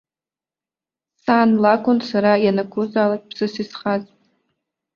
Сан лакәын сара ианакәызаалак ԥсыс исхаз.